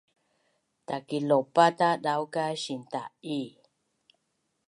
Taiki laupatadau ka sinta’i